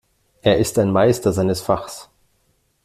Er ist ein Meister seines Fachs.